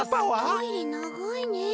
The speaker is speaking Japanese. トイレながいね。